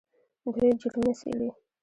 دوی جرمونه څیړي.